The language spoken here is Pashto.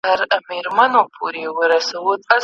نه له درملو نه توري تښتې